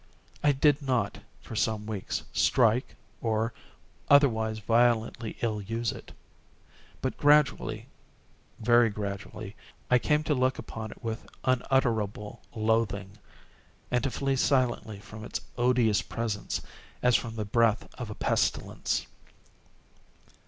I did not, for some weeks, strike, or otherwise violently ill use it; but gradually—very gradually—I came to look upon it with unutterable loathing, and to flee silently from its odious presence, as from the breath of a pestilence.